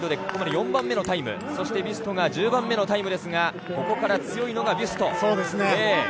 ここまで４番目のタイムそしてビュストが１０番目のタイムですがここから強いのがビュスト。